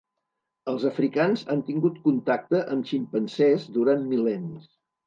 Els africans han tingut contacte amb ximpanzés durant mil·lennis.